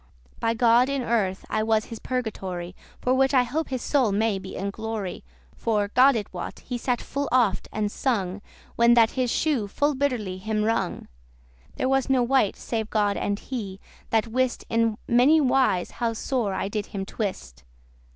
By God, in earth I was his purgatory, For which I hope his soul may be in glory. For, God it wot, he sat full oft and sung, When that his shoe full bitterly him wrung.* *pinched There was no wight, save God and he, that wist In many wise how sore I did him twist.